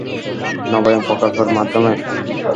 নবায়ন প্রকল্পের মাধ্যমে।